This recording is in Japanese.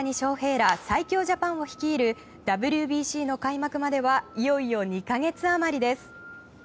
ら最強ジャパンを率いるＷＢＣの開幕まではいよいよ２か月あまりです。